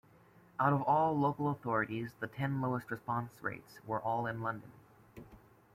Out of all local authorities, the ten lowest response rates were all in London.